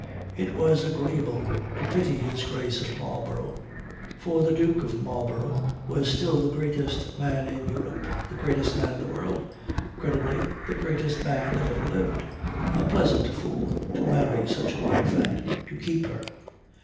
It was agreeable to pity His Grace of Marlborough. For the Duke of Marlborough was still the greatest man in Europe, the greatest man in the world credibly the greatest man that ever lived. A pleasant fool, to marry such a wife and to keep her.